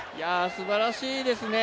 すばらしいですね。